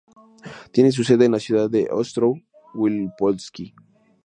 Tiene su sede en la ciudad de Ostrów Wielkopolski.